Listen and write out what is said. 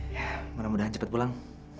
ya mudah mudahan cepat pulang